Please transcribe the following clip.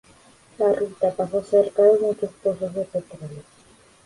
La ruta pasa cerca de muchos pozos de petróleo.